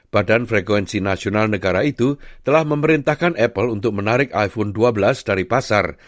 badan frekuensi nasional negara itu telah memerintahkan apple untuk menarik iphone dua belas dari pasar